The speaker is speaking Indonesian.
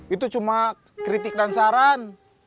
itu cuma kritik dan saran